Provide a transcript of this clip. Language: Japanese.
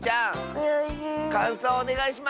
かんそうをおねがいします！